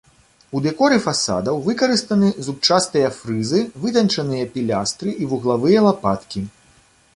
У дэкоры фасадаў выкарыстаны зубчастыя фрызы, вытанчаныя пілястры і вуглавыя лапаткі.